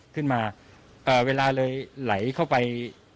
ขึ้นมาเวลาเลยไหลเข้าไป